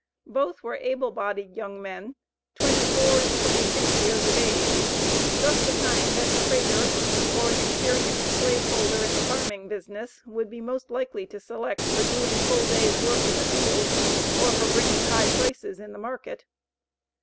Both were able bodied young men, twenty four and twenty six years of age, just the kind that a trader, or an experienced slave holder in the farming business, would be most likely to select for doing full days' work in the field, or for bringing high prices in the market.